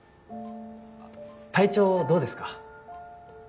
体調どうですか？